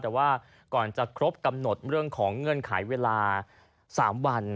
แต่ว่าก่อนจะครบกำหนดเรื่องของเงื่อนไขเวลา๓วัน